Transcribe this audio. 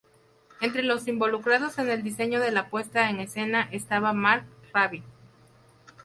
Entre los involucrados en el diseño de la puesta en escena estaba Mark Rabbit.